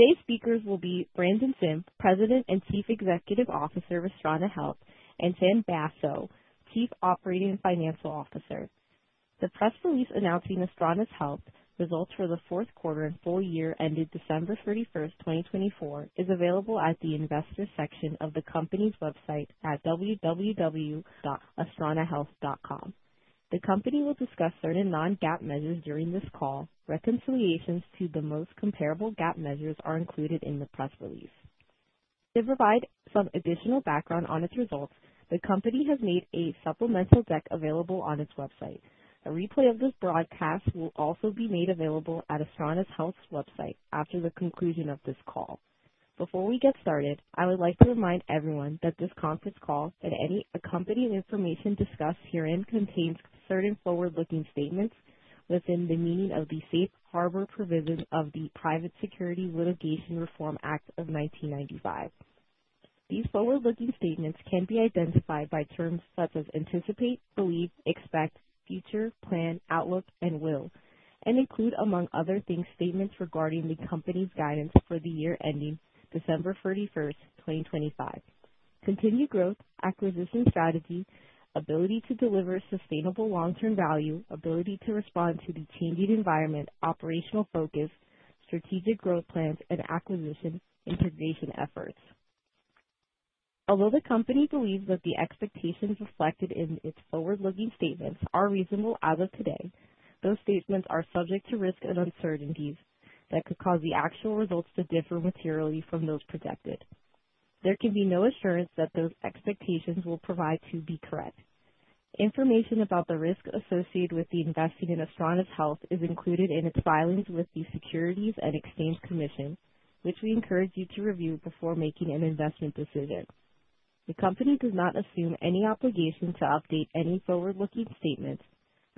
Today's speakers will be Brandon Sim, President and Chief Executive Officer of Astrana Health, and Chan Basho, Chief Operating and Financial Officer. The press release announcing Astrana Health's results for the fourth quarter and full year ended December 31, 2024, is available at the investor section of the company's website at www.astranahealth.com. The company will discuss certain non-GAAP measures during this call. Reconciliations to the most comparable GAAP measures are included in the press release. To provide some additional background on its results, the company has made a supplemental deck available on its website. A replay of this broadcast will also be made available at Astrana Health's website after the conclusion of this call. Before we get started, I would like to remind everyone that this conference call and any accompanying information discussed herein contains certain forward-looking statements within the meaning of the Safe Harbor provisions of the Private Securities Litigation Reform Act of 1995. These forward-looking statements can be identified by terms such as anticipate, believe, expect, future, plan, outlook, and will, and include, among other things, statements regarding the company's guidance for the year ending December 31, 2025: continued growth, acquisition strategy, ability to deliver sustainable long-term value, ability to respond to the changing environment, operational focus, strategic growth plans, and acquisition integration efforts. Although the company believes that the expectations reflected in its forward-looking statements are reasonable as of today, those statements are subject to risks and uncertainties that could cause the actual results to differ materially from those projected. There can be no assurance that those expectations will prove to be correct. Information about the risks associated with investing in Astrana Health is included in its filings with the Securities and Exchange Commission, which we encourage you to review before making an investment decision. The company does not assume any obligation to update any forward-looking statements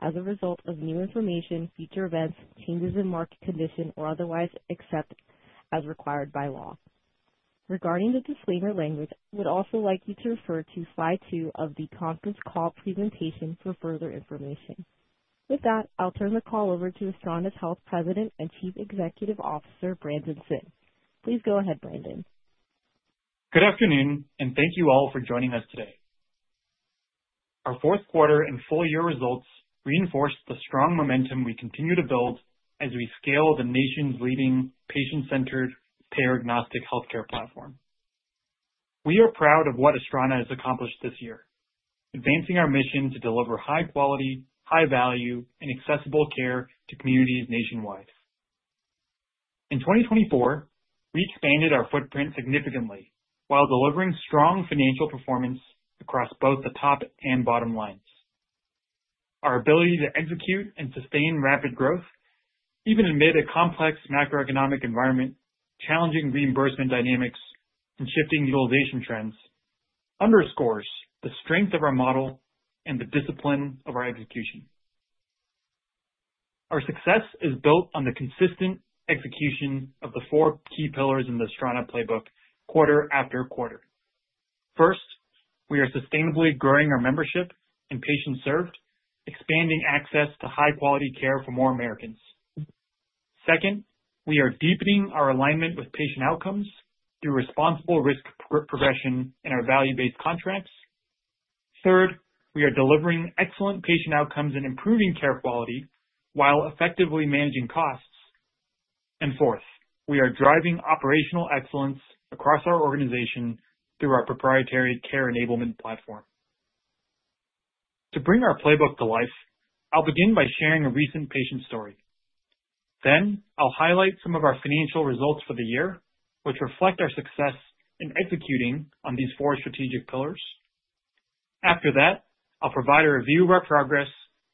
as a result of new information, future events, changes in market condition, or otherwise, except as required by law. Regarding the disclaimer language, I would also like you to refer to slide two of the conference call presentation for further information. With that, I'll turn the call over to Astrana Health President and Chief Executive Officer, Brandon Sim. Please go ahead, Brandon. Good afternoon, and thank you all for joining us today. Our fourth quarter and full year results reinforce the strong momentum we continue to build as we scale the nation's leading patient-centered payer-agnostic healthcare platform. We are proud of what Astrana has accomplished this year, advancing our mission to deliver high quality, high value, and accessible care to communities nationwide. In 2024, we expanded our footprint significantly while delivering strong financial performance across both the top and bottom lines. Our ability to execute and sustain rapid growth, even amid a complex macroeconomic environment, challenging reimbursement dynamics, and shifting utilization trends underscores the strength of our model and the discipline of our execution. Our success is built on the consistent execution of the four key pillars in the Astrana playbook quarter after quarter. First, we are sustainably growing our membership and patient-served, expanding access to high-quality care for more Americans. Second, we are deepening our alignment with patient outcomes through responsible risk progression in our value-based contracts. Third, we are delivering excellent patient outcomes and improving care quality while effectively managing costs. Fourth, we are driving operational excellence across our organization through our proprietary Care enablement platform. To bring our playbook to life, I'll begin by sharing a recent patient story. Then, I'll highlight some of our financial results for the year, which reflect our success in executing on these four strategic pillars. After that, I'll provide a review of our progress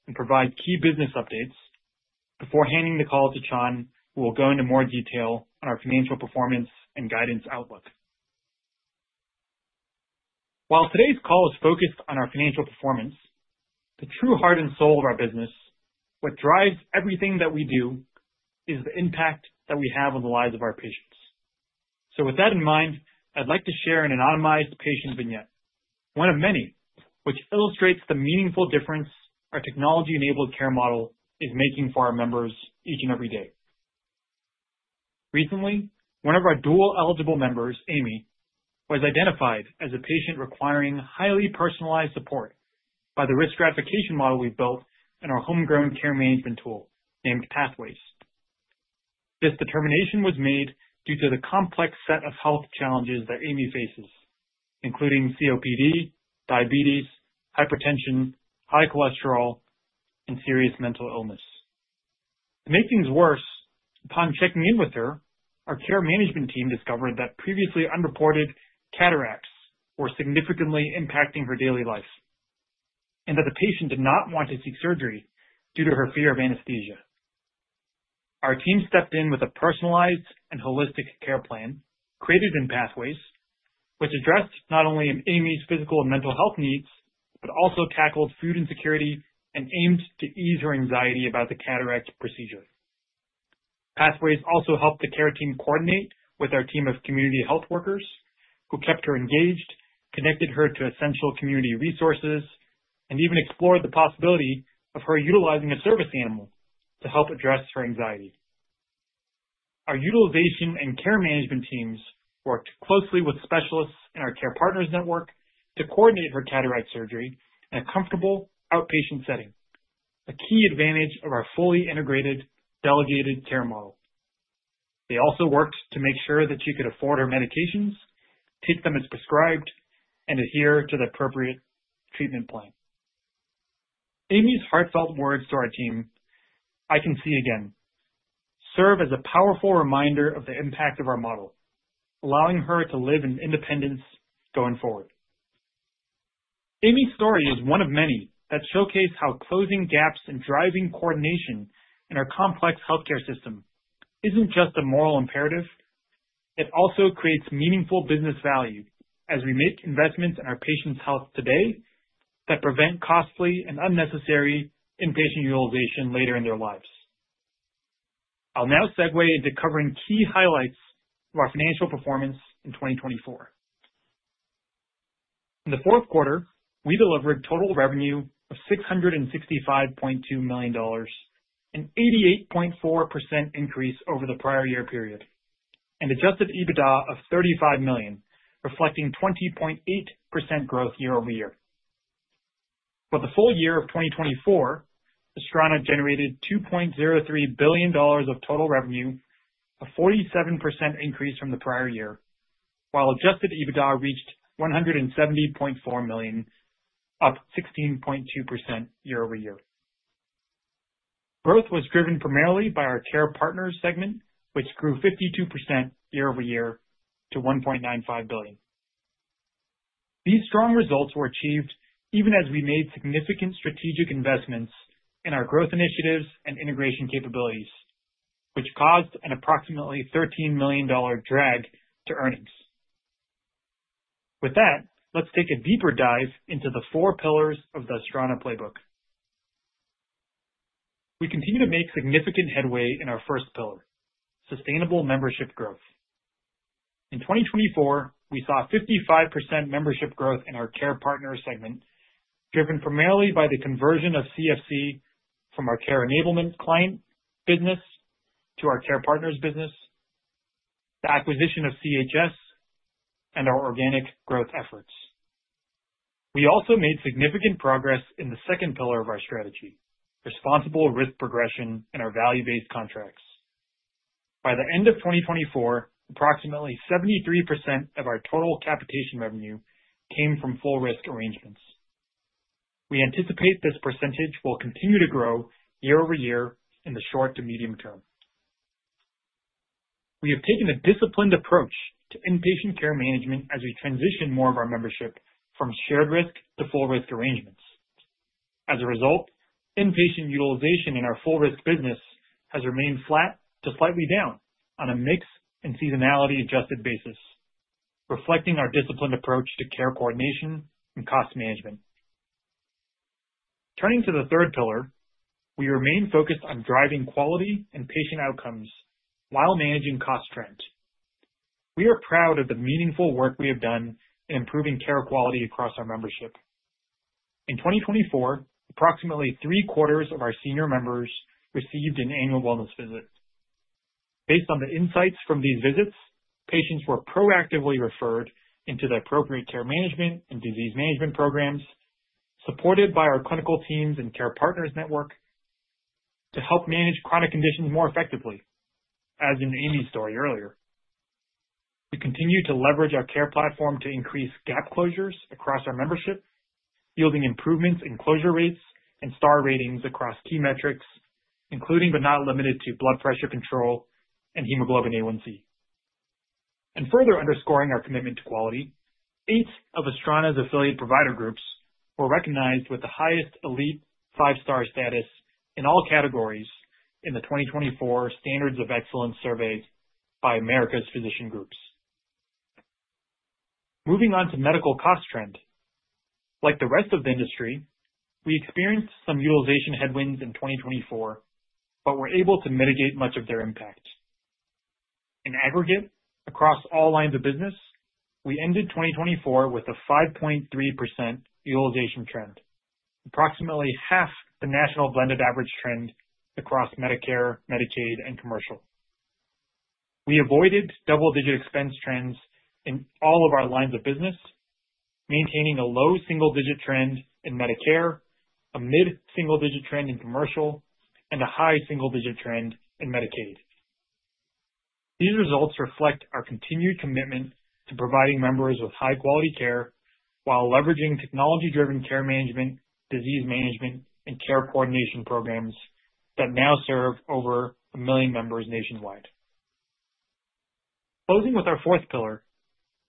and provide key business updates before handing the call to Chan, who will go into more detail on our financial performance and guidance outlook. While today's call is focused on our financial performance, the true heart and soul of our business, what drives everything that we do, is the impact that we have on the lives of our patients. With that in mind, I'd like to share an anonymized patient vignette, one of many, which illustrates the meaningful difference our technology-enabled care model is making for our members each and every day. Recently, one of our dual-eligible members, Amy, was identified as a patient requiring highly personalized support by the risk stratification model we built in our homegrown care management tool named Pathways. This determination was made due to the complex set of health challenges that Amy faces, including COPD, diabetes, hypertension, high cholesterol, and serious mental illness. To make things worse, upon checking in with her, our care management team discovered that previously unreported cataracts were significantly impacting her daily life, and that the patient did not want to seek surgery due to her fear of anesthesia. Our team stepped in with a personalized and holistic care plan created in Pathways, which addressed not only Amy's physical and mental health needs, but also tackled food insecurity and aimed to ease her anxiety about the cataract procedure. Pathways also helped the care team coordinate with our team of community health workers, who kept her engaged, connected her to essential community resources, and even explored the possibility of her utilizing a service animal to help address her anxiety. Our utilization and care management teams worked closely with specialists in our Care Partners network to coordinate her cataract surgery in a comfortable outpatient setting, a key advantage of our fully integrated delegated care model. They also worked to make sure that she could afford her medications, take them as prescribed, and adhere to the appropriate treatment plan. Amy's heartfelt words to our team, I can see again, serve as a powerful reminder of the impact of our model, allowing her to live in independence going forward. Amy's story is one of many that showcase how closing gaps and driving coordination in our complex healthcare system isn't just a moral imperative, it also creates meaningful business value as we make investments in our patients' health today that prevent costly and unnecessary inpatient utilization later in their lives. I'll now segue into covering key highlights of our financial performance in 2024. In the fourth quarter, we delivered total revenue of $665.2 million, an 88.4% increase over the prior year period, and Adjusted EBITDA of $35 million, reflecting 20.8% growth year-over-year. For the full year of 2024, Astrana generated $2.03 billion of total revenue, a 47% increase from the prior year, while Adjusted EBITDA reached $170.4 million, up 16.2% year over year. Growth was driven primarily by our Care Partners segment, which grew 52% year over year to $1.95 billion. These strong results were achieved even as we made significant strategic investments in our growth initiatives and integration capabilities, which caused an approximately $13 million drag to earnings. With that, let's take a deeper dive into the four pillars of the Astrana playbook. We continue to make significant headway in our first pillar, sustainable membership growth. In 2024, we saw 55% membership growth in our Care Partners segment, driven primarily by the conversion of CFC from our Care Enablement client business to our Care Partners business, the acquisition of CHS, and our organic growth efforts. We also made significant progress in the second pillar of our strategy, responsible risk progression in our value-based contracts. By the end of 2024, approximately 73% of our total capitation revenue came from full-risk arrangements. We anticipate this percentage will continue to grow year over year in the short to medium term. We have taken a disciplined approach to inpatient care management as we transition more of our membership from shared risk to full-risk arrangements. As a result, inpatient utilization in our full-risk business has remained flat to slightly down on a mix and seasonality-adjusted basis, reflecting our disciplined approach to care coordination and cost management. Turning to the third pillar, we remain focused on driving quality and patient outcomes while managing cost trends. We are proud of the meaningful work we have done in improving care quality across our membership. In 2024, approximately three-quarters of our senior members received an annual wellness visit. Based on the insights from these visits, patients were proactively referred into the appropriate care management and disease management programs, supported by our clinical teams and Care Partners network to help manage chronic conditions more effectively, as in Amy's story earlier. We continue to leverage our care platform to increase gap closures across our membership, yielding improvements in closure rates and star ratings across key metrics, including but not limited to blood pressure control and hemoglobin A1C. Further underscoring our commitment to quality, eight of Astrana's affiliate provider groups were recognized with the highest elite five-star status in all categories in the 2024 Standards of Excellence survey by America's Physician Groups. Moving on to medical cost trend. Like the rest of the industry, we experienced some utilization headwinds in 2024, but were able to mitigate much of their impact. In aggregate, across all lines of business, we ended 2024 with a 5.3% utilization trend, approximately half the national blended average trend across Medicare, Medicaid, and commercial. We avoided double-digit expense trends in all of our lines of business, maintaining a low single-digit trend in Medicare, a mid-single-digit trend in commercial, and a high single-digit trend in Medicaid. These results reflect our continued commitment to providing members with high-quality care while leveraging technology-driven care management, disease management, and care coordination programs that now serve over a million members nationwide. Closing with our fourth pillar,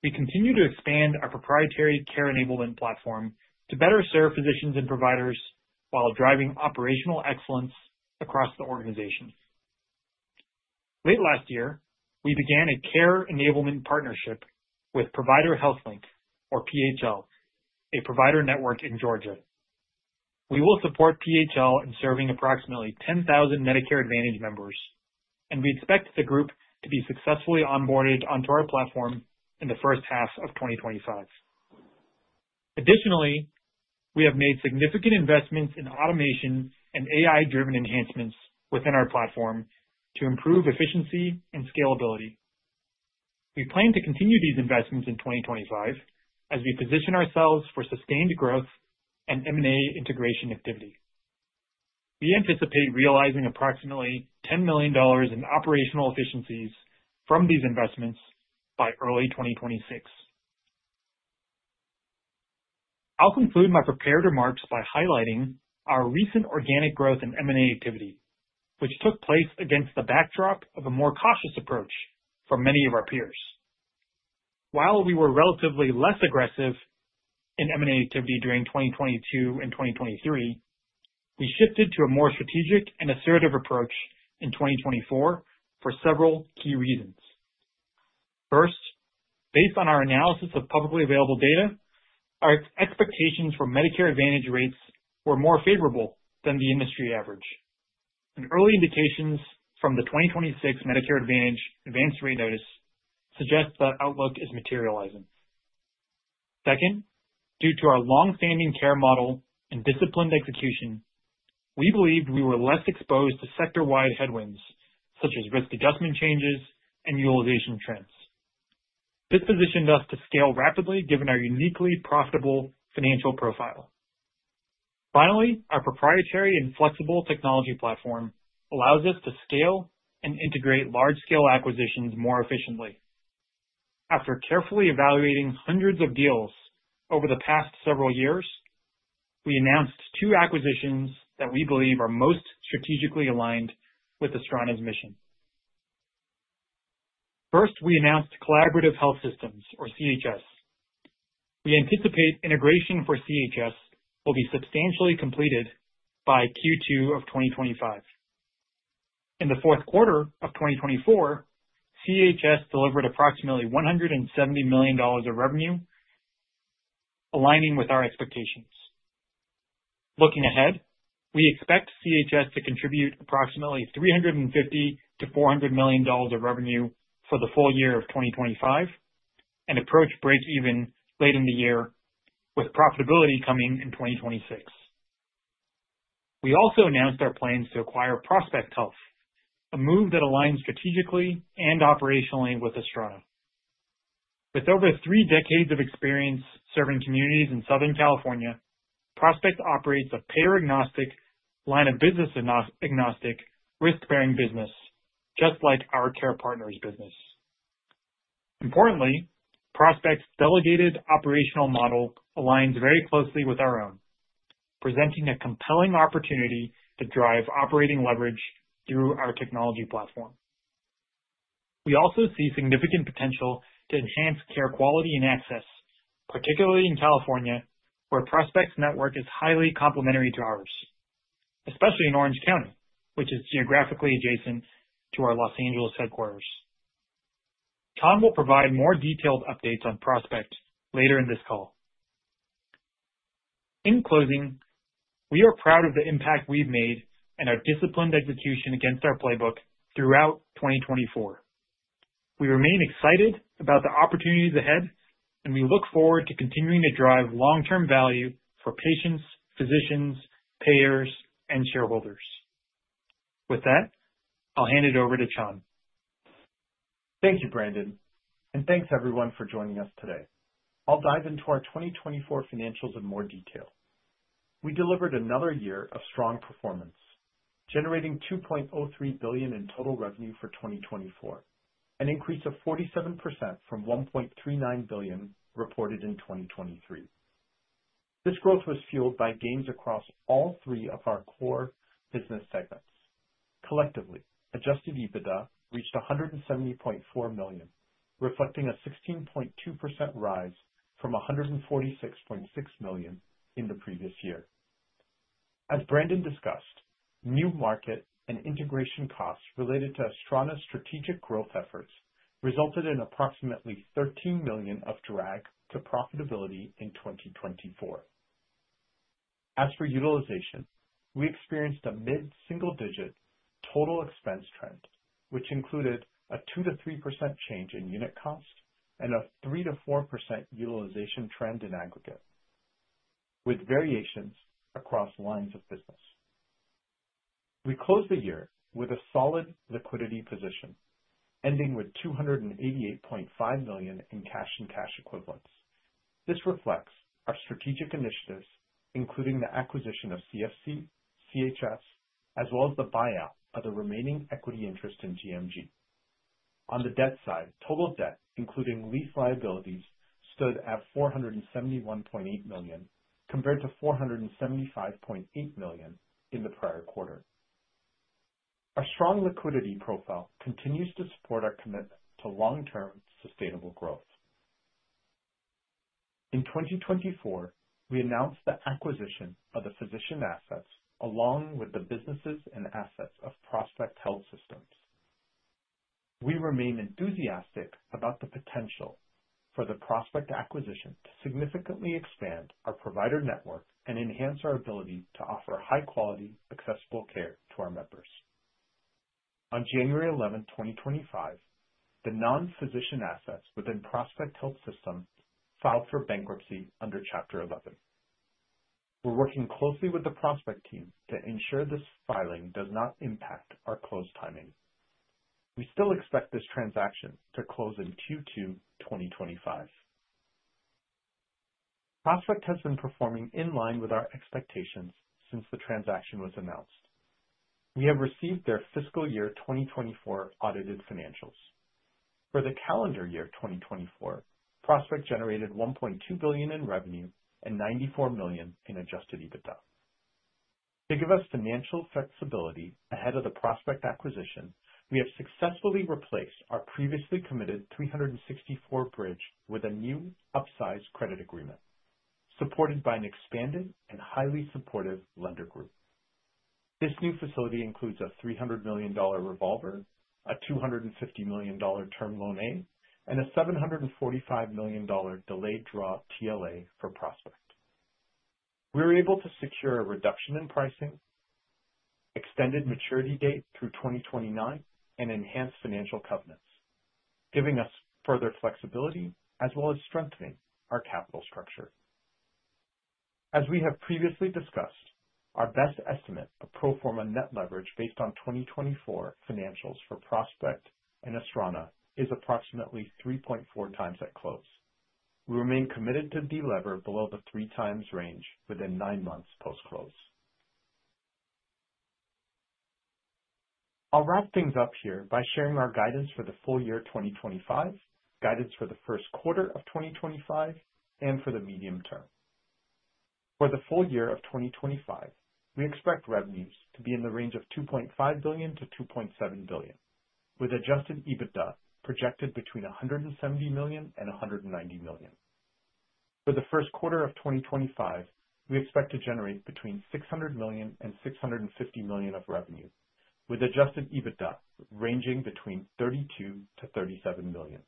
we continue to expand our proprietary Care Enablement platform to better serve physicians and providers while driving operational excellence across the organization. Late last year, we began a Care Enablement partnership with Provider Health Link, or PHL, a provider network in Georgia. We will support PHL in serving approximately 10,000 Medicare Advantage members, and we expect the group to be successfully onboarded onto our platform in the first half of 2025. Additionally, we have made significant investments in automation and AI-driven enhancements within our platform to improve efficiency and scalability. We plan to continue these investments in 2025 as we position ourselves for sustained growth and M&A integration activity. We anticipate realizing approximately $10 million in operational efficiencies from these investments by early 2026. I'll conclude my prepared remarks by highlighting our recent organic growth in M&A activity, which took place against the backdrop of a more cautious approach from many of our peers. While we were relatively less aggressive in M&A activity during 2022 and 2023, we shifted to a more strategic and assertive approach in 2024 for several key reasons. First, based on our analysis of publicly available data, our expectations for Medicare Advantage rates were more favorable than the industry average. Early indications from the 2026 Medicare Advantage advance rate notice suggest that outlook is materializing. Second, due to our longstanding care model and disciplined execution, we believed we were less exposed to sector-wide headwinds such as risk adjustment changes and utilization trends. This positioned us to scale rapidly given our uniquely profitable financial profile. Finally, our proprietary and flexible technology platform allows us to scale and integrate large-scale acquisitions more efficiently. After carefully evaluating hundreds of deals over the past several years, we announced two acquisitions that we believe are most strategically aligned with Astrana's mission. First, we announced Collaborative Health Systems, or CHS. We anticipate integration for CHS will be substantially completed by Q2 of 2025. In the fourth quarter of 2024, CHS delivered approximately $170 million of revenue, aligning with our expectations. Looking ahead, we expect CHS to contribute approximately $350million-$400 million of revenue for the full year of 2025 and approach break-even late in the year, with profitability coming in 2026. We also announced our plans to Prospect Medical Holdings, a move that aligns strategically and operationally with Astrana. With over three decades of experience serving communities in Southern California, Prospect operates a payer-agnostic, line-of-business-agnostic, risk-bearing business, just like our Care Partners business. Importantly, Prospect's delegated operational model aligns very closely with our own, presenting a compelling opportunity to drive operating leverage through our technology platform. We also see significant potential to enhance care quality and access, particularly in California, where Prospect's network is highly complementary to ours, especially in Orange County, which is geographically adjacent to our Los Angeles headquarters. Chan will provide more detailed updates on Prospect later in this call. In closing, we are proud of the impact we've made and our disciplined execution against our playbook throughout 2024. We remain excited about the opportunities ahead, and we look forward to continuing to drive long-term value for patients, physicians, payers, and shareholders. With that, I'll hand it over to Chan. Thank you, Brandon, and thanks, everyone, for joining us today. I'll dive into our 2024 financials in more detail. We delivered another year of strong performance, generating $2.03 billion in total revenue for 2024, an increase of 47% from $1.39 billion reported in 2023. This growth was fueled by gains across all three of our core business segments. Collectively, Adjusted EBITDA reached $170.4 million, reflecting a 16.2% rise from $146.6 million in the previous year. As Brandon discussed, new market and integration costs related to Astrana's strategic growth efforts resulted in approximately $13 million of drag to profitability in 2024. As for utilization, we experienced a mid-single-digit total expense trend, which included a 2%-3% change in unit cost and a 3%-4% utilization trend in aggregate, with variations across lines of business. We closed the year with a solid liquidity position, ending with $288.5 million in cash and cash equivalents. This reflects our strategic initiatives, including the acquisition of CFC, CHS, as well as the buyout of the remaining equity interest in GMG. On the debt side, total debt, including lease liabilities, stood at $471.8 million, compared to $475.8 million in the prior quarter. Our strong liquidity profile continues to support our commitment to long-term sustainable growth. In 2024, we announced the acquisition of the physician assets along with the businesses and assets Prospect Medical Holdings. We remain enthusiastic about the potential for the Prospect acquisition to significantly expand our provider network and enhance our ability to offer high-quality, accessible care to our members. On January 11, 2025, the non-physician assets Prospect Medical Holdings filed for bankruptcy under Chapter 11. We're working closely with the Prospect team to ensure this filing does not impact our close timing. We still expect this transaction to close in Q2 2025. Prospect has been performing in line with our expectations since the transaction was announced. We have received their fiscal year 2024 audited financials. For the calendar year 2024, Prospect generated $1.2 billion in revenue and $94 million in Adjusted EBITDA. To give us financial flexibility ahead of the Prospect acquisition, we have successfully replaced our previously committed 364-day bridge with a new upsized credit agreement, supported by an expanded and highly supportive lender group. This new facility includes a $300 million revolver, a $250 million Term Loan A, and a $745 million delayed draw TLA for Prospect. We were able to secure a reduction in pricing, extended maturity date through 2029, and enhanced financial covenants, giving us further flexibility as well as strengthening our capital structure. As we have previously discussed, our best estimate of pro forma net leverage based on 2024 financials for Prospect and Astrana is approximately 3.4 times at close. We remain committed to delever below the three times range within nine months post-close. I'll wrap things up here by sharing our guidance for the full year 2025, guidance for the first quarter of 2025, and for the medium term. For the full year of 2025, we expect revenues to be in the range of $2.5 billion-$2.7 billion, with Adjusted EBITDA projected between $170 million and $190 million. For the first quarter of 2025, we expect to generate between $600 million and $650 million of revenue, with Adjusted EBITDA ranging between $32million-$37 million.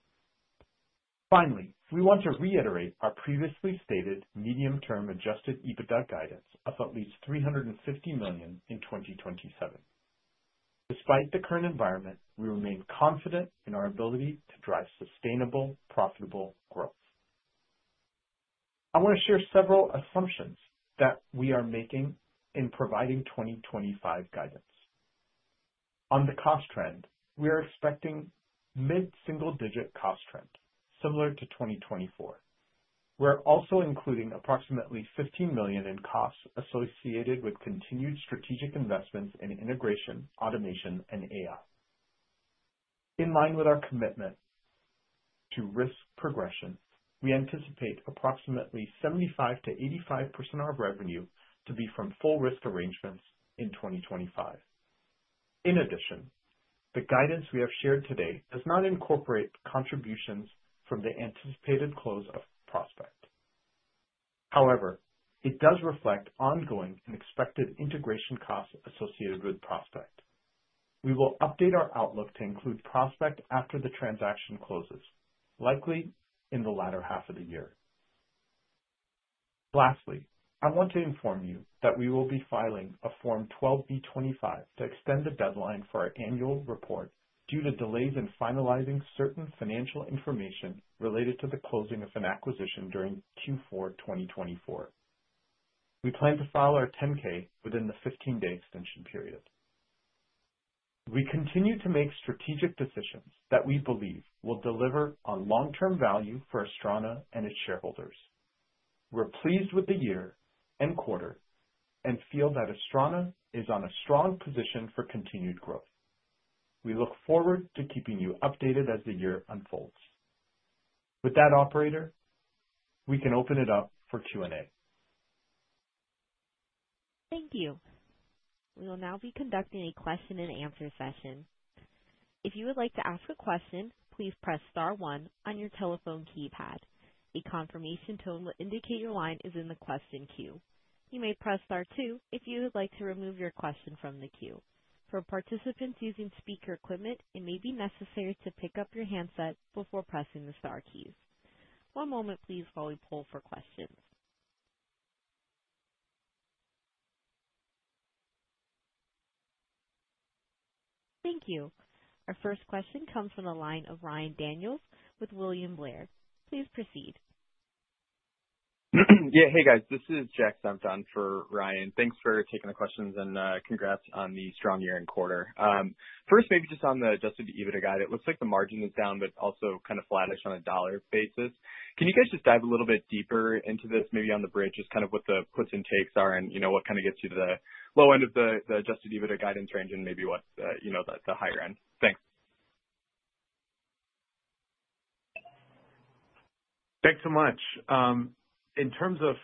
Finally, we want to reiterate our previously stated medium-term Adjusted EBITDA guidance of at least $350 million in 2027. Despite the current environment, we remain confident in our ability to drive sustainable, profitable growth. I want to share several assumptions that we are making in providing 2025 guidance. On the cost trend, we are expecting mid-single-digit cost trend, similar to 2024. We're also including approximately $15 million in costs associated with continued strategic investments in integration, automation, and AI. In line with our commitment to risk progression, we anticipate approximately 75%-85% of our revenue to be from full-risk arrangements in 2025. In addition, the guidance we have shared today does not incorporate contributions from the anticipated close of Prospect. However, it does reflect ongoing and expected integration costs associated with Prospect. We will update our outlook to include Prospect after the transaction closes, likely in the latter half of the year. Lastly, I want to inform you that we will be filing a Form 12B-25 to extend the deadline for our annual report due to delays in finalizing certain financial information related to the closing of an acquisition during Q4 2024. We plan to file our 10-K within the 15-day extension period. We continue to make strategic decisions that we believe will deliver on long-term value for Astrana and its shareholders. We're pleased with the year and quarter and feel that Astrana is in a strong position for continued growth. We look forward to keeping you updated as the year unfolds. With that, Operator, we can open it up for Q&A. Thank you. We will now be conducting a question-and-answer session. If you would like to ask a question, please press star one on your telephone keypad. A confirmation tone will indicate your line is in the question queue. You may press star two if you would like to remove your question from the queue. For participants using speaker equipment, it may be necessary to pick up your handset before pressing the star keys. One moment, please, while we pull for questions. Thank you. Our first question comes from the line of Ryan Daniels with William Blair. Please proceed. Yeah. Hey, guys. This is Jack Senft on for Ryan. Thanks for taking the questions and congrats on the strong year and quarter. First, maybe just on the Adjusted EBITDA guide, it looks like the margin is down, but also kind of flattish on a dollar basis. Can you guys just dive a little bit deeper into this, maybe on the Bridge, just kind of what the puts and takes are and what kind of gets you to the low end of the Adjusted EBITDA guidance range and maybe what's the higher end? Thanks. Thanks so much. In terms of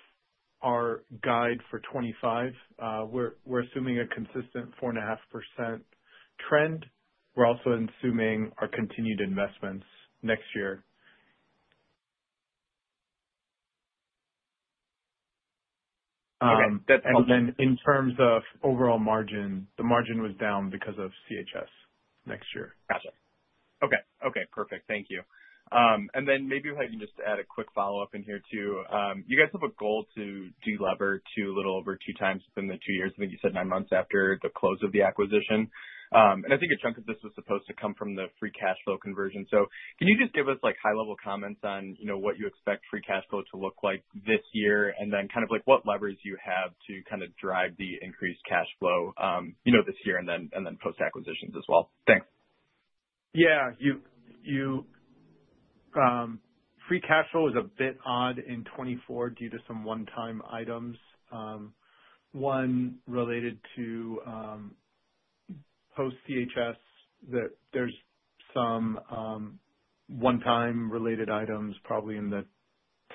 our guide for 2025, we're assuming a consistent 4.5% trend. We're also assuming our continued investments next year. In terms of overall margin, the margin was down because of CHS next year. Gotcha. Okay. Okay. Perfect. Thank you. Maybe if I can just add a quick follow-up in here too. You guys have a goal to delever a little over two times within the two years. I think you said nine months after the close of the acquisition. I think a chunk of this was supposed to come from the free cash flow conversion. Can you just give us high-level comments on what you expect free cash flow to look like this year and then kind of what levers you have to kind of drive the increased cash flow this year and then post-acquisitions as well? Thanks. Yeah. Free cash flow is a bit odd in 2024 due to some one-time items. One related to post-CHS, there are some one-time related items probably in the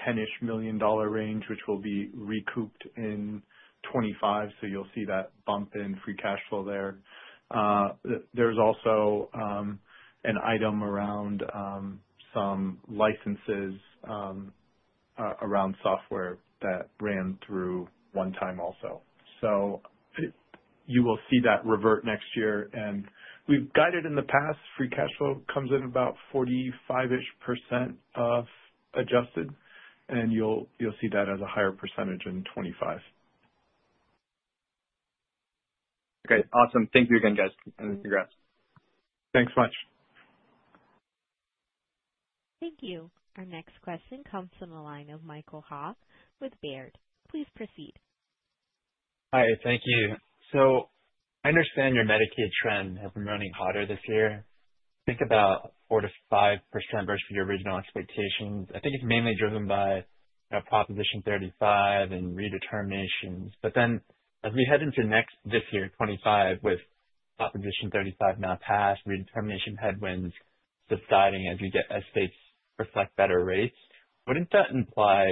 $10 million-ish range, which will be recouped in 2025. You will see that bump in free cash flow there. There is also an item around some licenses around software that ran through one time also. You will see that revert next year. We have guided in the past, free cash flow comes in about 45% of adjusted, and you will see that as a higher percentage in 2025. Okay. Awesome. Thank you again, guys. And congrats. Thanks so much. Thank you. Our next question comes from the line of Michael Ha with Baird. Please proceed. Hi. Thank you. I understand your Medicaid trend has been running hotter this year. Think about 4%-5% versus your original expectations. I think it is mainly driven by Proposition 35 and redeterminations. As we head into next this year, 2025, with Proposition 35 now passed, redetermination headwinds subsiding as you get states reflect better rates, would not that imply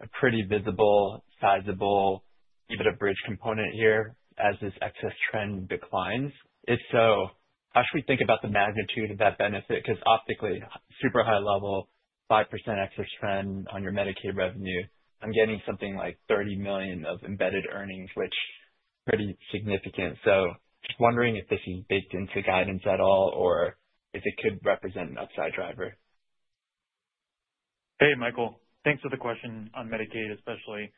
a pretty visible, sizable EBITDA Bridge component here as this excess trend declines? If so, how should we think about the magnitude of that benefit? Because optically, super high-level, 5% excess trend on your Medicaid revenue, I'm getting something like $30 million of embedded earnings, which is pretty significant. Just wondering if this is baked into guidance at all or if it could represent an upside driver. Hey, Michael. Thanks for the question on Medicaid, especially.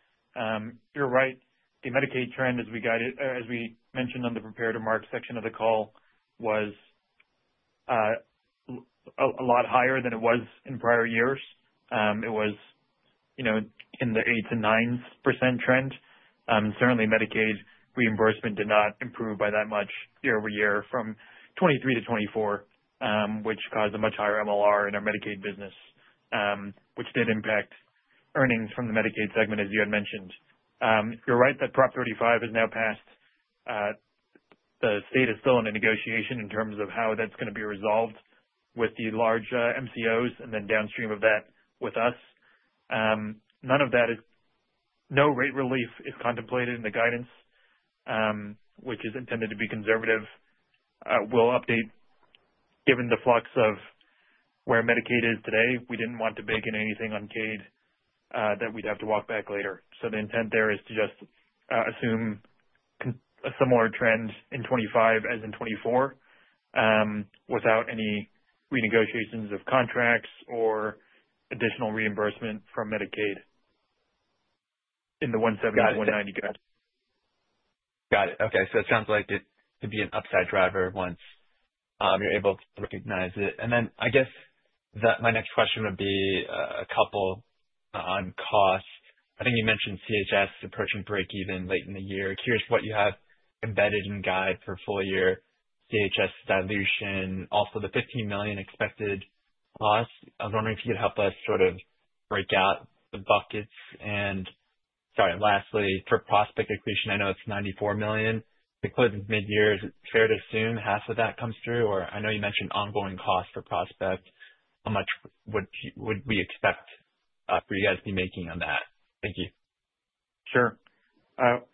You're right. The Medicaid trend, as we mentioned on the prepared remark section of the call, was a lot higher than it was in prior years. It was in the 8%-9% trend. Certainly, Medicaid reimbursement did not improve by that much year over year from 2023 to 2024, which caused a much higher MLR in our Medicaid business, which did impact earnings from the Medicaid segment, as you had mentioned. You're right that Prop 35 has now passed. The state is still in a negotiation in terms of how that's going to be resolved with the large MCOs and then downstream of that with us. None of that is, no rate relief is contemplated in the guidance, which is intended to be conservative. We'll update given the flux of where Medicaid is today. We didn't want to bake in anything Medicaid that we'd have to walk back later. The intent there is to just assume a similar trend in 2025 as in 2024 without any renegotiations of contracts or additional reimbursement from Medicaid in the $170 million-$190 million gap. Got it. Okay. It sounds like it could be an upside driver once you're able to recognize it. I guess my next question would be a couple on cost. I think you mentioned CHS approaching break-even late in the year. Here's what you have embedded in guide for full-year CHS dilution, also the $15 million expected cost. I was wondering if you could help us sort of break out the buckets. Sorry, lastly, for Prospect equation, I know it's $94 million. To close mid-year, is it fair to assume half of that comes through? I know you mentioned ongoing costs for Prospect. How much would we expect for you guys to be making on that? Thank you. Sure.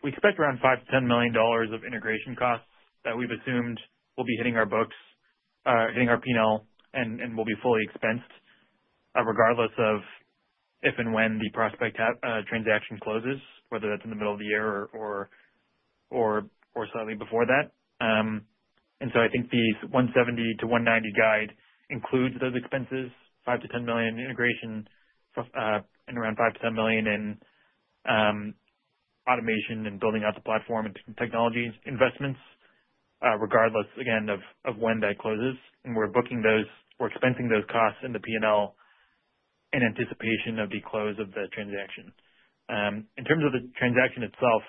We expect around $5million-10 million of integration costs that we've assumed will be hitting our books, hitting our P&L, and will be fully expensed regardless of if and when the Prospect transaction closes, whether that's in the middle of the year or slightly before that. I think the $170 million-$190 million guide includes those expenses, $5 million-$10 million integration and around $5 million-$10 million in automation and building out the platform and technology investments, regardless, again, of when that closes. We're expensing those costs in the P&L in anticipation of the close of the transaction. In terms of the transaction itself,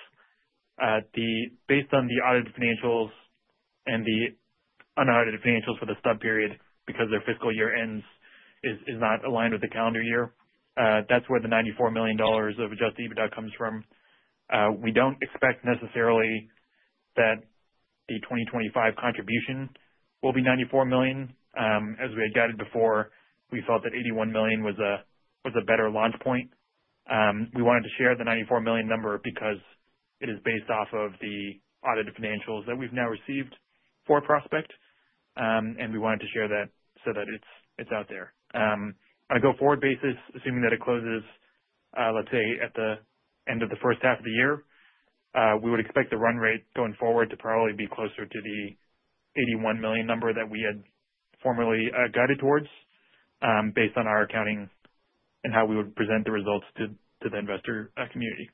based on the audited financials and the unaudited financials for the sub-period because their fiscal year end is not aligned with the calendar year, that's where the $94 million of Adjusted EBITDA comes from. We don't expect necessarily that the 2025 contribution will be $94 million. As we had guided before, we felt that $81 million was a better launch point. We wanted to share the $94 million number because it is based off of the audited financials that we've now received for Prospect. We wanted to share that so that it's out there. On a go-forward basis, assuming that it closes, let's say, at the end of the first half of the year, we would expect the run rate going forward to probably be closer to the $81 million number that we had formerly guided towards based on our accounting and how we would present the results to the investor community.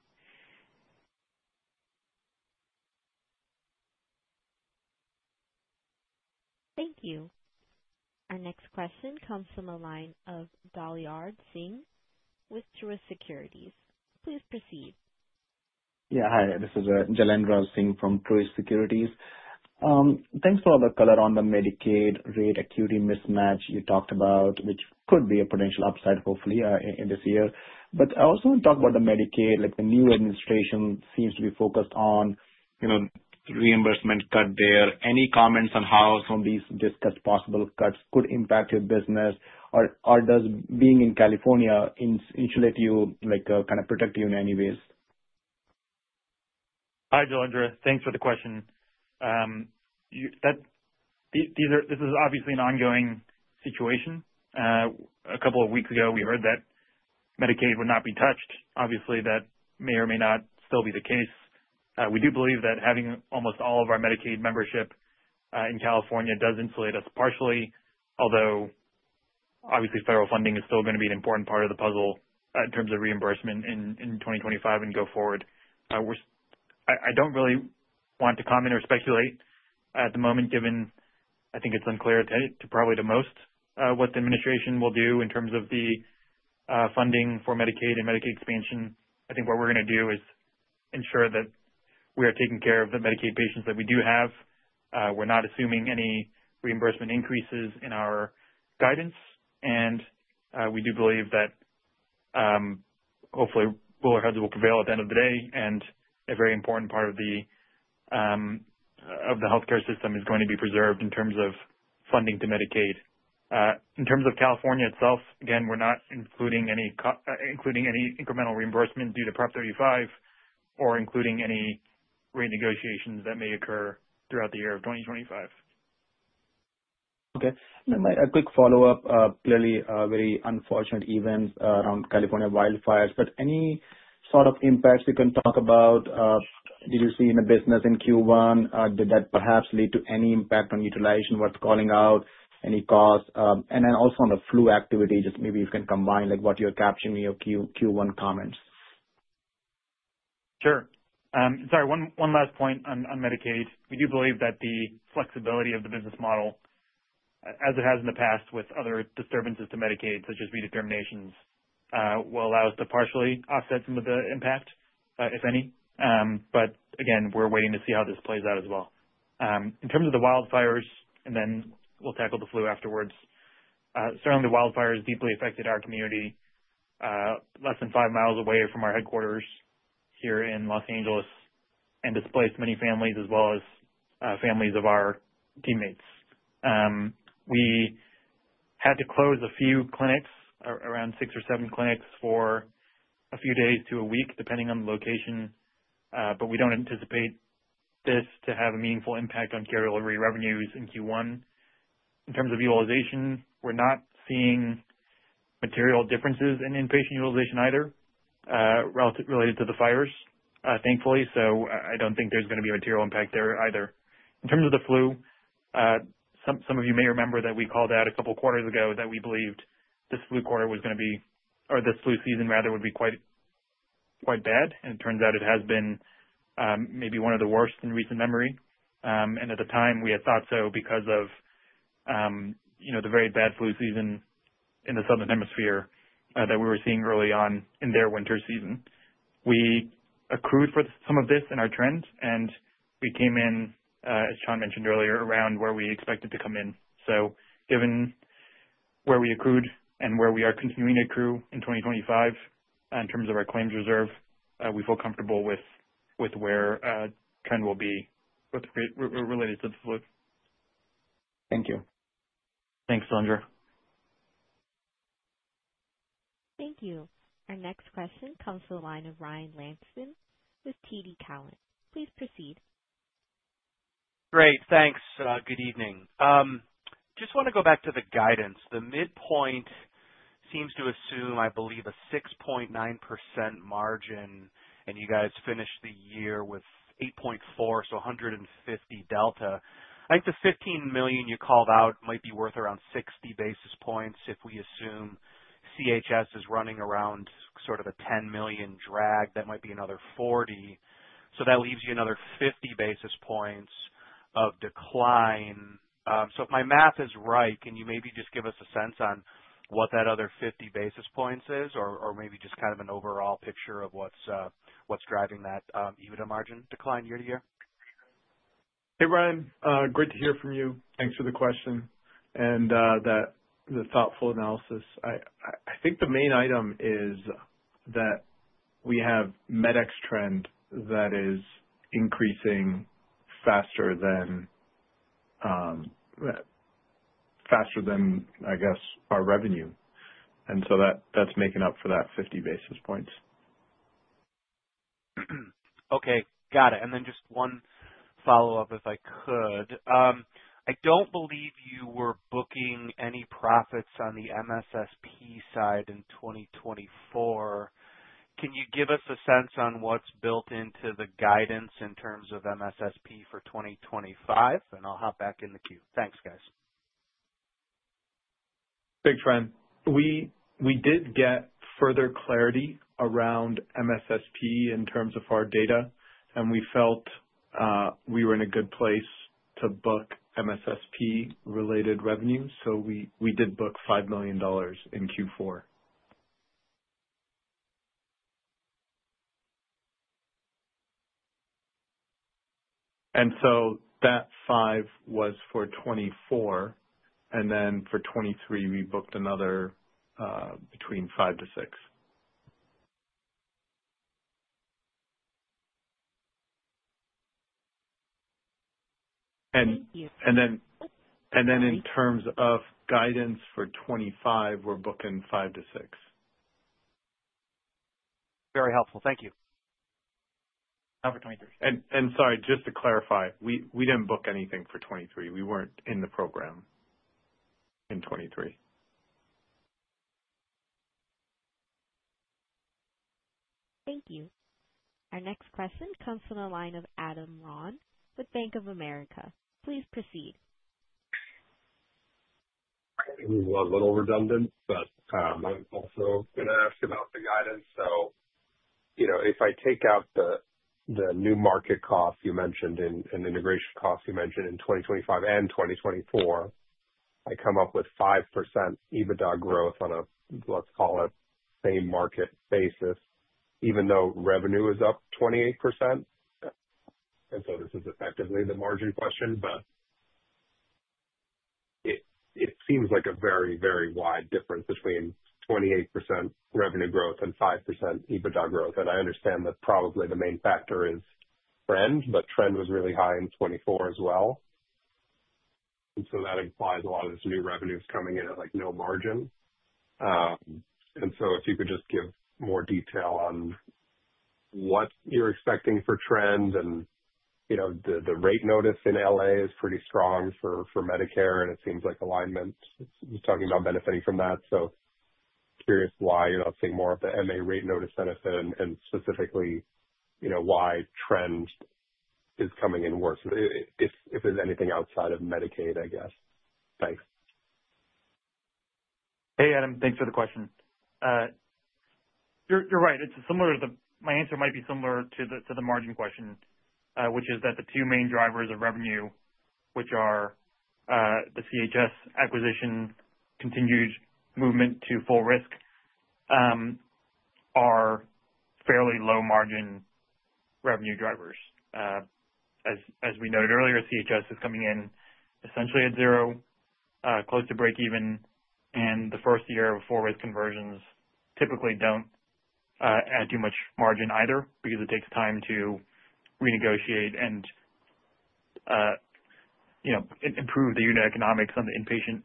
Thank you. Our next question comes from the line of Jailendra Singh with Truist Securities. Please proceed. Yeah. Hi. This is Jailendra Singh from Truist Securities. Thanks for the color on the Medicaid rate acuity mismatch you talked about, which could be a potential upside, hopefully, this year. I also want to talk about the Medicaid. The new administration seems to be focused on reimbursement cut there. Any comments on how some of these discussed possible cuts could impact your business? Or does being in California insulate you, kind of protect you in any ways? Hi, Jalendra. Thanks for the question. This is obviously an ongoing situation. A couple of weeks ago, we heard that Medicaid would not be touched. Obviously, that may or may not still be the case. We do believe that having almost all of our Medicaid membership in California does insulate us partially, although obviously federal funding is still going to be an important part of the puzzle in terms of reimbursement in 2025 and go forward. I don't really want to comment or speculate at the moment, given I think it's unclear to probably the most what the administration will do in terms of the funding for Medicaid and Medicaid expansion. I think what we're going to do is ensure that we are taking care of the Medicaid patients that we do have. We're not assuming any reimbursement increases in our guidance. We do believe that hopefully cooler heads will prevail at the end of the day. A very important part of the healthcare system is going to be preserved in terms of funding to Medicaid. In terms of California itself, again, we're not including any incremental reimbursement due to Proposition 35 or including any renegotiations that may occur throughout the year of 2025. Okay. A quick follow-up. Clearly, very unfortunate events around California wildfires. Any sort of impacts you can talk about? Did you see in the business in Q1? Did that perhaps lead to any impact on utilization, worth calling out, any costs? And then also on the flu activity, just maybe you can combine what you're capturing in your Q1 comments. Sure. Sorry. One last point on Medicaid. We do believe that the flexibility of the business model, as it has in the past with other disturbances to Medicaid, such as redeterminations, will allow us to partially offset some of the impact, if any. Again, we're waiting to see how this plays out as well. In terms of the wildfires, and then we'll tackle the flu afterwards. Certainly, the wildfires deeply affected our community less than five miles away from our headquarters here in Los Angeles and displaced many families as well as families of our teammates. We had to close a few clinics, around six or seven clinics, for a few days to a week, depending on the location. We do not anticipate this to have a meaningful impact on care delivery revenues in Q1. In terms of utilization, we are not seeing material differences in inpatient utilization either related to the fires, thankfully. I do not think there is going to be a material impact there either. In terms of the flu, some of you may remember that we called out a couple of quarters ago that we believed this flu quarter was going to be, or this flu season, rather, would be quite bad. It turns out it has been maybe one of the worst in recent memory. At the time, we had thought so because of the very bad flu season in the southern hemisphere that we were seeing early on in their winter season. We accrued for some of this in our trend, and we came in, as Chan mentioned earlier, around where we expected to come in. Given where we accrued and where we are continuing to accrue in 2025 in terms of our claims reserve, we feel comfortable with where trend will be related to the flu. Thank you. Thanks, Jalendra. Thank you. Our next question comes from the line of Ryan Langston with TD Cowen. Please proceed. Great. Thanks. Good evening. Just want to go back to the guidance. The midpoint seems to assume, I believe, a 6.9% margin, and you guys finished the year with 8.4, so 150 delta. I think the $15 million you called out might be worth around 60 basis points. If we assume CHS is running around sort of a $10 million drag, that might be another 40. That leaves you another 50 basis points of decline. If my math is right, can you maybe just give us a sense on what that other 50 basis points is, or maybe just kind of an overall picture of what's driving that EBITDA margin decline year to year? Hey, Ryan. Great to hear from you. Thanks for the question and the thoughtful analysis. I think the main item is that we have MedEx trend that is increasing faster than, I guess, our revenue. That is making up for that 50 basis points. Got it. Just one follow-up, if I could. I do not believe you were booking any profits on the MSSP side in 2024. Can you give us a sense on what's built into the guidance in terms of MSSP for 2025? I'll hop back in the queue. Thanks, guys. Big trend. We did get further clarity around MSSP in terms of our data, and we felt we were in a good place to book MSSP-related revenue. We did book $5 million in Q4. That $5 million was for 2024. For 2023, we booked another between $5 million-$6 million. In terms of guidance for 2025, we are booking $5 million-$6 million. Very helpful. Thank you. Not for 2023. Sorry, just to clarify, we did not book anything for 2023. We were not in the program in 2023. Thank you. Our next question comes from the line of Adam Ron with Bank of America. Please proceed. It was a little redundant, but I am also going to ask about the guidance. If I take out the new market costs you mentioned and integration costs you mentioned in 2025 and 2024, I come up with 5% EBITDA growth on a, let's call it, same market basis, even though revenue is up 28%. This is effectively the margin question, but it seems like a very, very wide difference between 28% revenue growth and 5% EBITDA growth. I understand that probably the main factor is trend, but trend was really high in 2024 as well. That implies a lot of this new revenue is coming in at no margin. If you could just give more detail on what you're expecting for trend. The rate notice in L.A. is pretty strong for Medicare, and it seems like alignment is talking about benefiting from that. Curious why you're not seeing more of the MA rate notice benefit and specifically why trend is coming in worse, if there's anything outside of Medicaid, I guess. Thanks. Hey, Adam. Thanks for the question. You're right. My answer might be similar to the margin question, which is that the two main drivers of revenue, which are the CHS acquisition, continued movement to full-risk, are fairly low-margin revenue drivers. As we noted earlier, CHS is coming in essentially at zero, close to breakeven. The first year of full-risk conversions typically do not add too much margin either because it takes time to renegotiate and improve the unit economics on the inpatient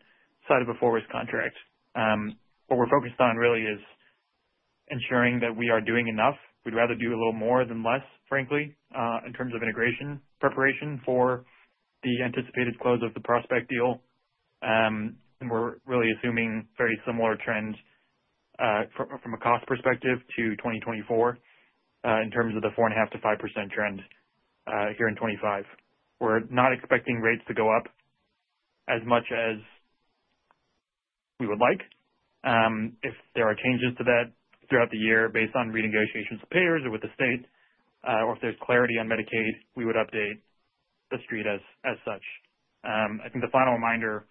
side of a full-risk contract. What we're focused on really is ensuring that we are doing enough. We'd rather do a little more than less, frankly, in terms of integration preparation for the anticipated close of the Prospect deal. We are really assuming very similar trends from a cost perspective to 2024 in terms of the 4.5-5% trend here in 2025. We are not expecting rates to go up as much as we would like. If there are changes to that throughout the year based on renegotiations with payers or with the state, or if there is clarity on Medicaid, we would update the street as such. I think the final reminder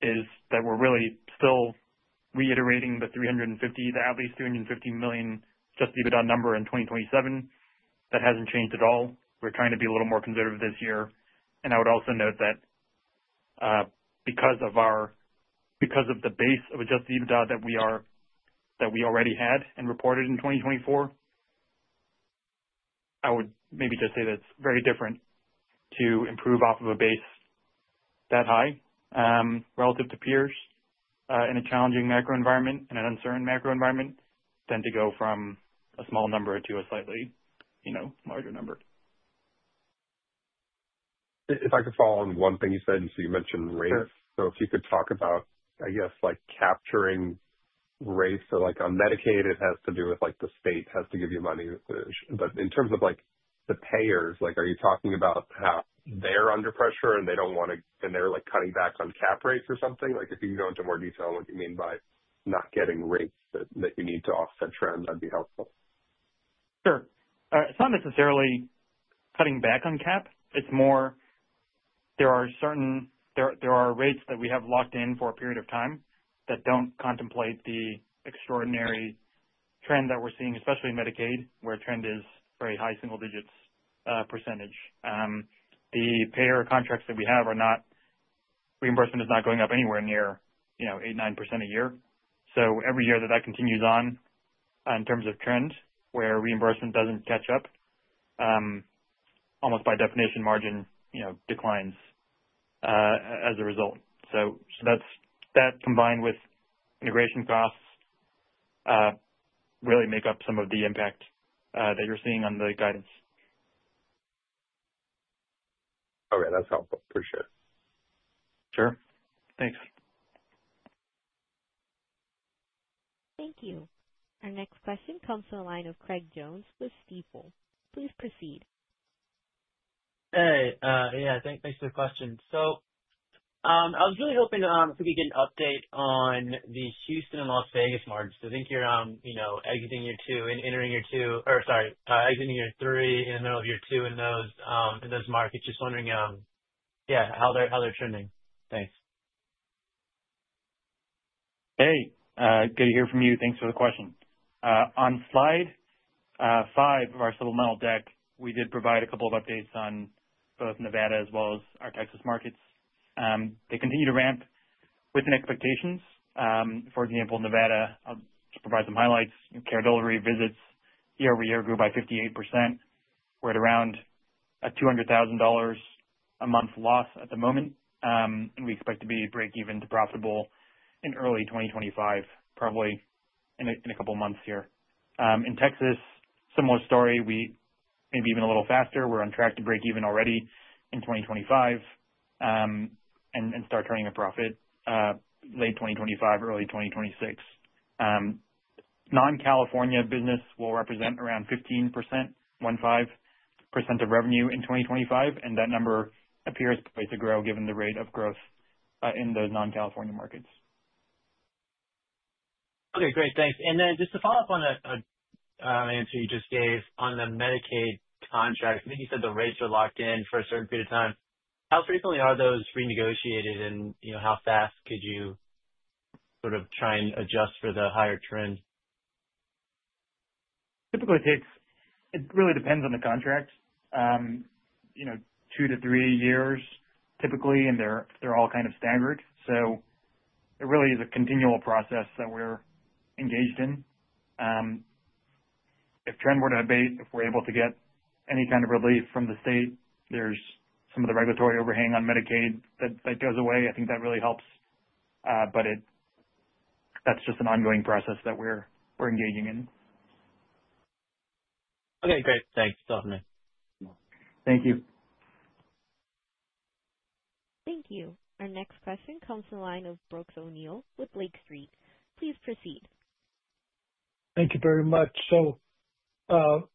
is that we are really still reiterating the $350 million, the at least $350 million just EBITDA number in 2027. That has not changed at all. We are trying to be a little more conservative this year. I would also note that because of the base of Adjusted EBITDA that we already had and reported in 2024, I would maybe just say that it's very different to improve off of a base that high relative to peers in a challenging macro environment and an uncertain macro environment than to go from a small number to a slightly larger number. If I could follow on one thing you said. You mentioned rates. If you could talk about, I guess, capturing rates on Medicaid, it has to do with the state has to give you money. In terms of the payers, are you talking about how they're under pressure and they don't want to, and they're cutting back on cap rates or something? If you can go into more detail on what you mean by not getting rates that you need to offset trend, that'd be helpful. Sure. It's not necessarily cutting back on cap. It's more there are certain rates that we have locked in for a period of time that don't contemplate the extraordinary trend that we're seeing, especially in Medicaid, where trend is very high single digits %. The payer contracts that we have are not reimbursement is not going up anywhere near 8%-9% a year. Every year that that continues on in terms of trend, where reimbursement doesn't catch up, almost by definition, margin declines as a result. That combined with integration costs really make up some of the impact that you're seeing on the guidance. Okay. That's helpful. Appreciate it. Sure. Thanks. Thank you. Our next question comes from the line of Craig Jones with Stifel. Please proceed. Hey. Yeah. Thanks for the question. I was really hoping to get an update on the Houston and Las Vegas margins. I think you're exiting year two and entering year two or sorry, exiting year three in the middle of year two in those markets. Just wondering, yeah, how they're trending. Thanks. Hey. Good to hear from you. Thanks for the question. On slide five of our supplemental deck, we did provide a couple of updates on both Nevada as well as our Texas markets. They continue to ramp within expectations. For example, Nevada, I'll just provide some highlights. Care delivery visits year over year grew by 58%. We're at around a $200,000 a month loss at the moment. We expect to be breakeven to profitable in early 2025, probably in a couple of months here. In Texas, similar story. Maybe even a little faster. We're on track to breakeven already in 2025 and start turning a profit late 2025, early 2026. Non-California business will represent around 15% of revenue in 2025. That number appears poised to grow given the rate of growth in those non-California markets. Okay. Great. Thanks. Just to follow up on an answer you just gave on the Medicaid contract. I think you said the rates are locked in for a certain period of time. How frequently are those renegotiated, and how fast could you sort of try and adjust for the higher trend? Typically, it really depends on the contract. Two to three years, typically, and they're all kind of staggered. It really is a continual process that we're engaged in. If trend were to abate, if we're able to get any kind of relief from the state, there's some of the regulatory overhang on Medicaid that goes away. I think that really helps. That's just an ongoing process that we're engaging in. Okay. Great. Thanks. Definitely. Thank you. Thank you. Our next question comes from the line of Brooks O'Neil with Lake Street. Please proceed. Thank you very much.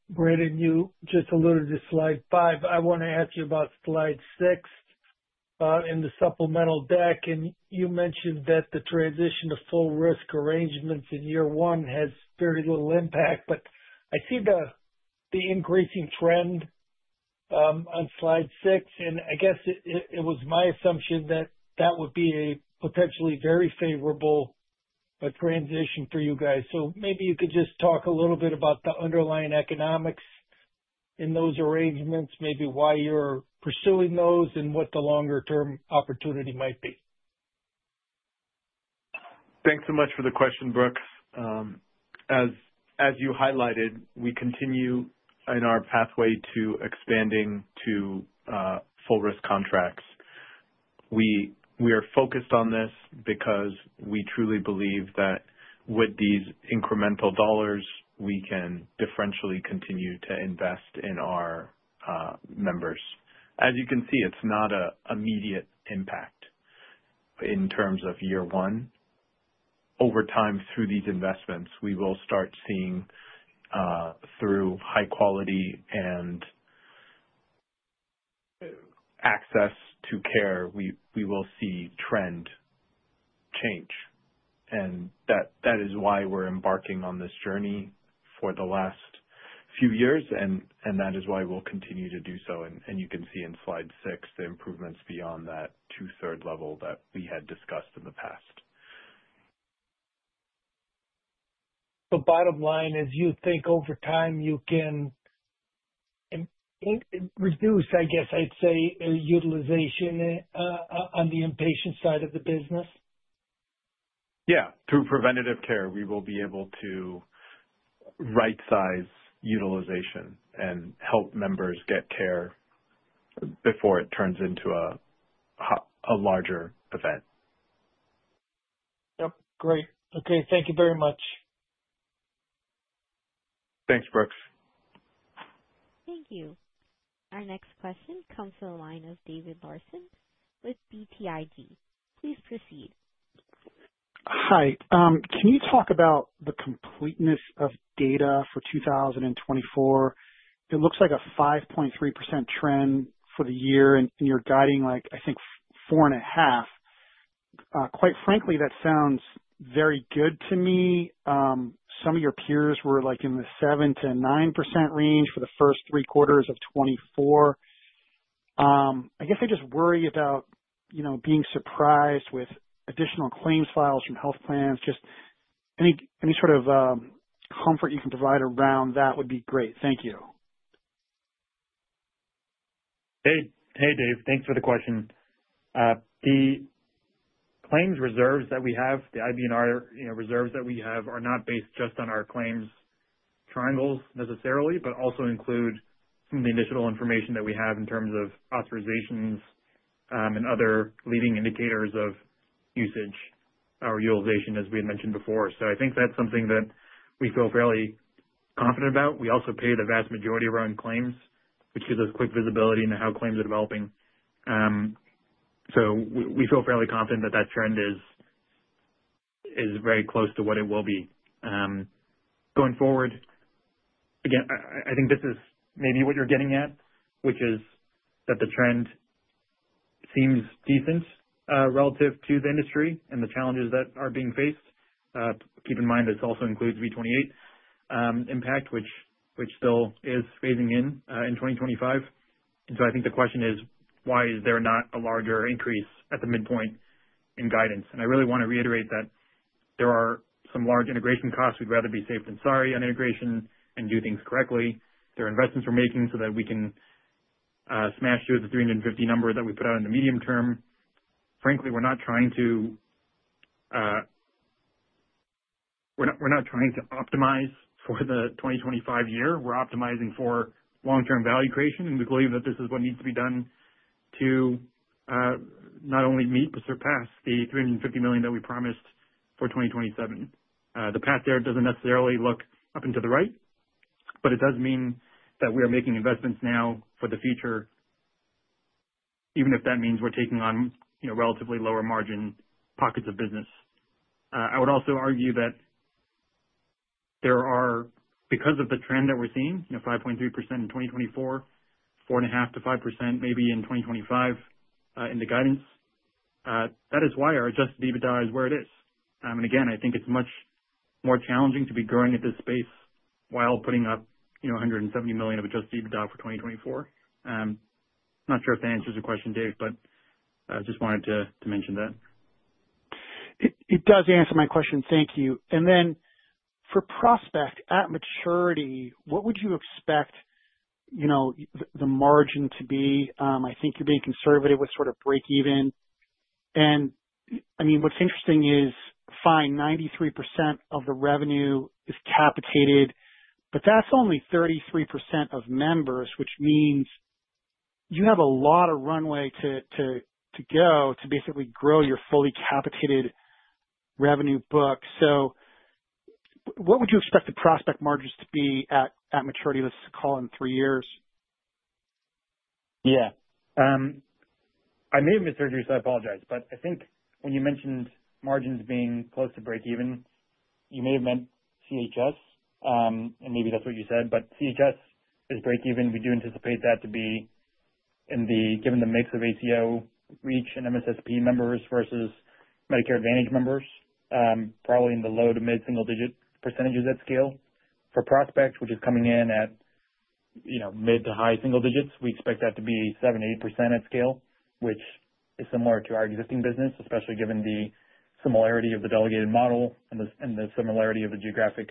Brandon, you just alluded to slide five. I want to ask you about slide six in the supplemental deck. You mentioned that the transition to full-risk arrangements in year one has very little impact, but I see the increasing trend on slide six. I guess it was my assumption that that would be a potentially very favorable transition for you guys. Maybe you could just talk a little bit about the underlying economics in those arrangements, maybe why you're pursuing those, and what the longer-term opportunity might be. Thanks so much for the question, Brooks. As you highlighted, we continue in our pathway to expanding to full-risk contracts. We are focused on this because we truly believe that with these incremental dollars, we can differentially continue to invest in our members. As you can see, it's not an immediate impact in terms of year one. Over time, through these investments, we will start seeing through high quality and access to care, we will see trend change. That is why we're embarking on this journey for the last few years, and that is why we'll continue to do so. You can see in slide six the improvements beyond that two-third level that we had discussed in the past. The bottom line is you think over time you can reduce, I guess I'd say, utilization on the inpatient side of the business? Yeah. Through preventative care, we will be able to right-size utilization and help members get care before it turns into a larger event. Yep. Great. Okay. Thank you very much. Thanks, Brooks. Thank you. Our next question comes from the line of David Larsen with BTIG.Please proceed. Hi. Can you talk about the completeness of data for 2024? It looks like a 5.3% trend for the year, and you're guiding, I think, 4.5%. Quite frankly, that sounds very good to me. Some of your peers were in the 7%-9% range for the first three quarters of 2024. I guess I just worry about being surprised with additional claims files from health plans. Just any sort of comfort you can provide around that would be great. Thank you. Hey, Dave. Thanks for the question. The claims reserves that we have, the IBNR reserves that we have, are not based just on our claims triangles necessarily, but also include some of the initial information that we have in terms of authorizations and other leading indicators of usage or utilization, as we had mentioned before. I think that's something that we feel fairly confident about. We also pay the vast majority of our own claims, which gives us quick visibility into how claims are developing. We feel fairly confident that that trend is very close to what it will be. Going forward, again, I think this is maybe what you're getting at, which is that the trend seems decent relative to the industry and the challenges that are being faced. Keep in mind this also includes V28 impact, which still is phasing in in 2025. I think the question is, why is there not a larger increase at the midpoint in guidance? I really want to reiterate that there are some large integration costs. We'd rather be safe than sorry on integration and do things correctly. There are investments we're making so that we can smash through the 350 number that we put out in the medium term. Frankly, we're not trying to optimize for the 2025 year. We're optimizing for long-term value creation. We believe that this is what needs to be done to not only meet but surpass the $350 million that we promised for 2027. The path there does not necessarily look up and to the right, but it does mean that we are making investments now for the future, even if that means we are taking on relatively lower margin pockets of business. I would also argue that there are, because of the trend that we are seeing, 5.3% in 2024, 4.5%-5% maybe in 2025 in the guidance. That is why our Adjusted EBITDA is where it is. Again, I think it is much more challenging to be growing at this pace while putting up $170 million of Adjusted EBITDA for 2024. Not sure if that answers your question, Dave, but I just wanted to mention that. It does answer my question. Thank you. For Prospect at maturity, what would you expect the margin to be? I think you are being conservative with sort of breakeven. I mean, what's interesting is, fine, 93% of the revenue is capitated, but that's only 33% of members, which means you have a lot of runway to go to basically grow your fully capitated revenue book. What would you expect the prospect margins to be at maturity, let's call it in three years? Yeah. I may have misheard you, so I apologize. I think when you mentioned margins being close to breakeven, you may have meant CHS, and maybe that's what you said. CHS is breakeven. We do anticipate that to be in the, given the mix of ACO REACH and MSSP members versus Medicare Advantage members, probably in the low to mid single digit percentages at scale. For Prospect, which is coming in at mid to high single digits, we expect that to be 7%-8% at scale, which is similar to our existing business, especially given the similarity of the delegated model and the similarity of the geographic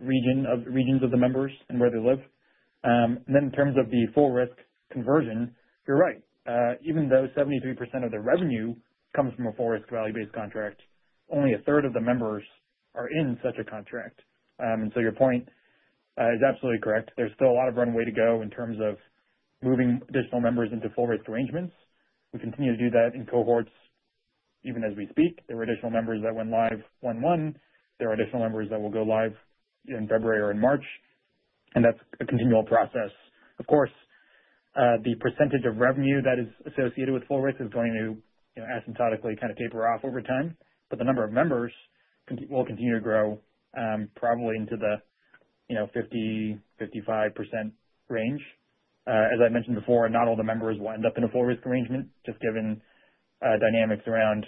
regions of the members and where they live. In terms of the full-risk conversion, you're right. Even though 73% of the revenue comes from a full-risk value-based contract, only a third of the members are in such a contract. Your point is absolutely correct. There's still a lot of runway to go in terms of moving additional members into full-risk arrangements. We continue to do that in cohorts even as we speak. There were additional members that went live January 1st. There are additional members that will go live in February or in March. That's a continual process. Of course, the percentage of revenue that is associated with full-risk is going to asymptotically kind of taper off over time. But the number of members will continue to grow probably into the 50%-55% range. As I mentioned before, not all the members will end up in a full-risk arrangement, just given dynamics around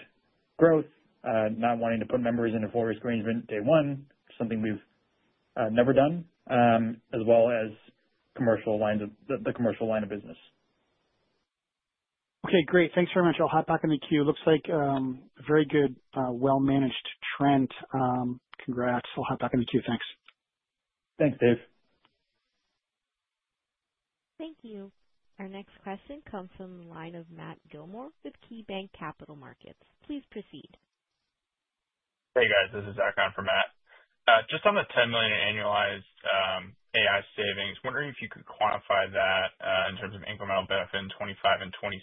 growth, not wanting to put members in a full-risk arrangement day one, something we've never done, as well as the commercial line of business. Okay. Great. Thanks very much. I'll hop back in the queue. Looks like a very good, well-managed trend. Congrats. I'll hop back in the queue. Thanks. Thanks, Dave. Thank you. Our next question comes from the line of Matt Gillmor with KeyBanc Capital Markets. Please proceed. Hey, guys. This is Zach on for Matt. Just on the $10 million annualized AI savings, wondering if you could quantify that in terms of incremental benefit in 2025 and 2026,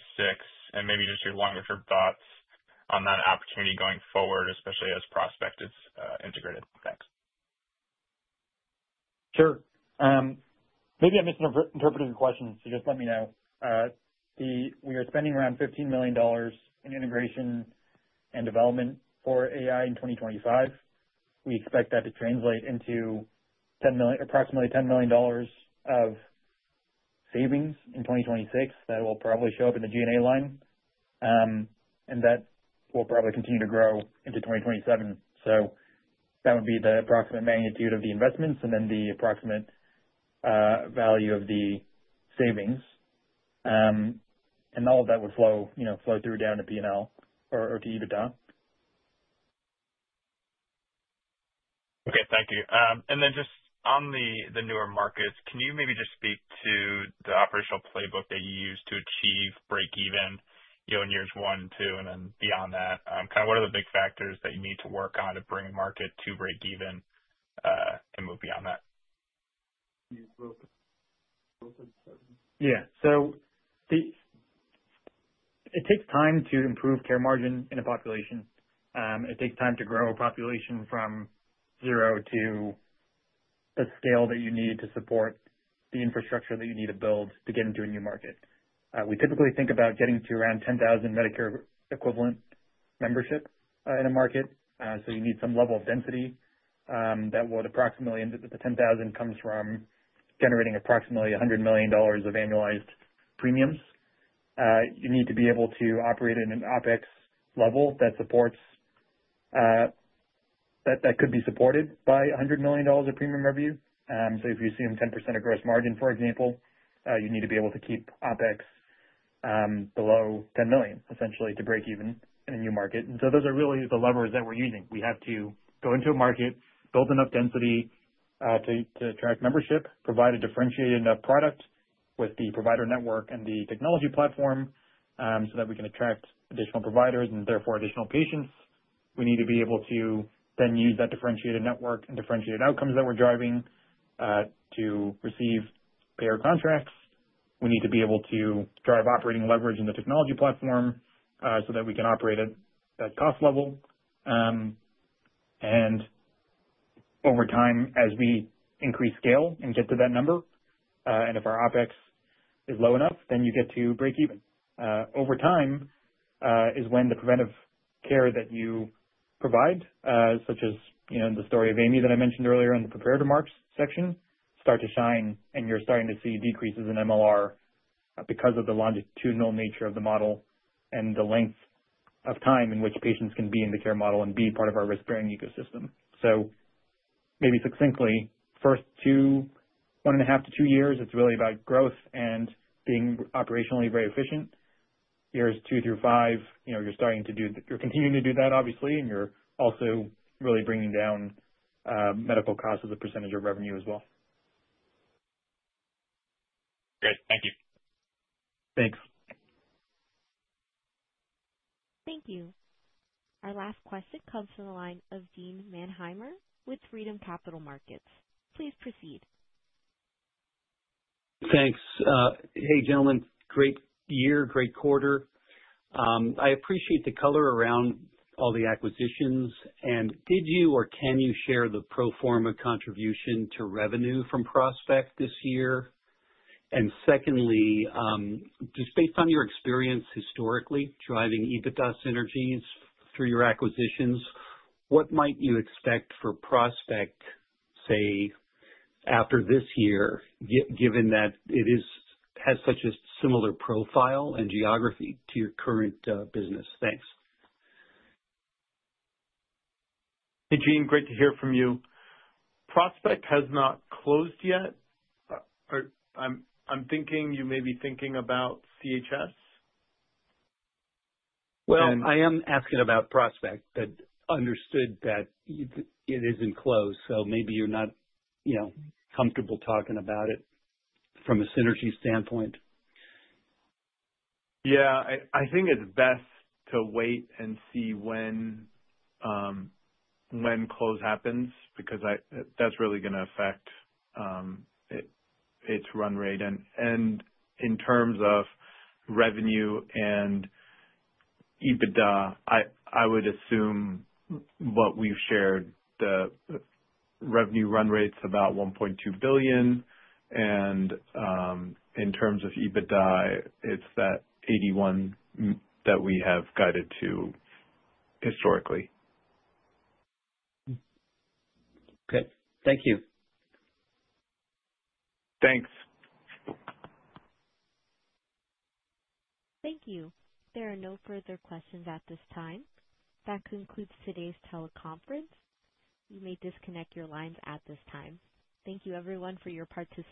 and maybe just your longer-term thoughts on that opportunity going forward, especially as Prospect is integrated. Thanks. Sure. Maybe I misinterpreted your question, so just let me know. We are spending around $15 million in integration and development for AI in 2025. We expect that to translate into approximately $10 million of savings in 2026 that will probably show up in the G&A line. That will probably continue to grow into 2027. That would be the approximate magnitude of the investments and then the approximate value of the savings. All of that would flow through down to P&L or to EBITDA. Okay. Thank you. Just on the newer markets, can you maybe just speak to the operational playbook that you use to achieve breakeven in years one, two, and then beyond that? Kind of what are the big factors that you need to work on to bring a market to breakeven and move beyond that? Yeah. It takes time to improve Care Margin in a population. It takes time to grow a population from zero to the scale that you need to support the infrastructure that you need to build to get into a new market. We typically think about getting to around 10,000 Medicare-equivalent membership in a market. You need some level of density that would approximately end up with the 10,000 comes from generating approximately $100 million of annualized premiums. You need to be able to operate in an OpEx level that could be supported by $100 million of premium revenue. If you assume 10% of gross margin, for example, you need to be able to keep OpEx below $10 million, essentially, to breakeven in a new market. Those are really the levers that we're using. We have to go into a market, build enough density to attract membership, provide a differentiated enough product with the provider network and the technology platform so that we can attract additional providers and therefore additional patients. We need to be able to then use that differentiated network and differentiated outcomes that we're driving to receive payer contracts. We need to be able to drive operating leverage in the technology platform so that we can operate at that cost level. Over time, as we increase scale and get to that number, and if our OpEx is low enough, then you get to breakeven. Over time is when the preventive care that you provide, such as in the story of Amy that I mentioned earlier in the prepared remarks section, starts to shine, and you're starting to see decreases in MLR because of the longitudinal nature of the model and the length of time in which patients can be in the care model and be part of our risk-bearing ecosystem. Maybe succinctly, first two, one and a half to two years, it's really about growth and being operationally very efficient. Years two through five, you're continuing to do that, obviously, and you're also really bringing down medical costs as a percentage of revenue as well. Great. Thank you. Thanks. Thank you. Our last question comes from the line of Gene Mannheimer with Freedom Capital Markets. Please proceed. Thanks. Hey, gentlemen. Great year, great quarter. I appreciate the color around all the acquisitions. Did you or can you share the pro forma contribution to revenue from Prospect this year? Secondly, just based on your experience historically driving EBITDA synergies through your acquisitions, what might you expect for Prospect, say, after this year, given that it has such a similar profile and geography to your current business? Thanks. Hey, Gene. Great to hear from you. Prospect has not closed yet. I'm thinking you may be thinking about CHS. I am asking about Prospect, but understood that it isn't closed, so maybe you're not comfortable talking about it from a synergy standpoint. Yeah. I think it's best to wait and see when close happens because that's really going to affect its run rate. In terms of revenue and EBITDA, I would assume what we've shared, the revenue run rate's about $1.2 billion. In terms of EBITDA, it's that $81 million that we have guided to historically. Okay. Thank you. Thanks. Thank you. There are no further questions at this time. That concludes today's teleconference. You may disconnect your lines at this time. Thank you, everyone, for your participation.